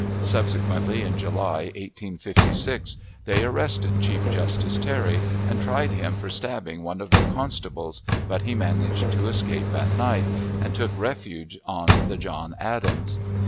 Subsequently, in July, 1856, they arrested Chief Justice Terry, and tried him for stabbing one of their constables, but he managed to escape at night, and took refuge on the John Adams.